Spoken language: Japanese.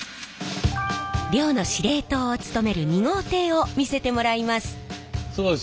漁の司令塔を務める２号艇を見せてもらいます。